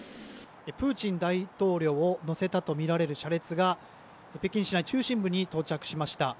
プーチン大統領を乗せたとみられる車列が北京市内中心部に到着しました。